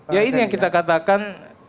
ya ini yang kita katakan